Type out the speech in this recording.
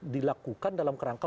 dilakukan dalam kerangka